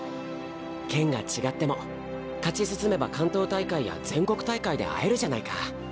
県が違っても勝ち進めば関東大会や全国大会で会えるじゃないか。